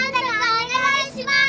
お願いします。